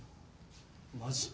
マジ？